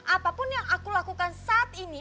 apapun yang aku lakukan saat ini